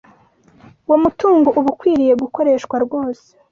uwo mutungo uba ukwiriye gukoreshwa rwose.